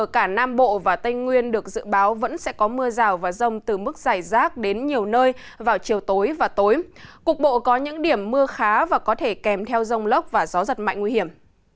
cục bộ có những điểm mưa khá và có thể kèm theo rông lốc và gió giật mạnh nguy hiểm